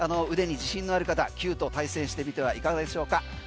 ぜひ、腕に自信のある方ＣＵＥと対戦してみてはいかがでしょうか。